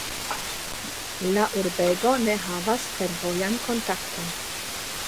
La urbego ne havas fervojan kontakton.